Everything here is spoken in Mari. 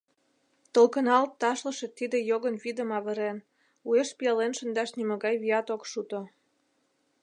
Толкыналт ташлыше тиде йогын вӱдым авырен, уэш пӱялен шындаш нимогай вият ок шуто.